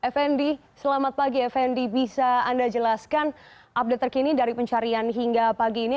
fnd selamat pagi fnd bisa anda jelaskan update terkini dari pencarian hingga pagi ini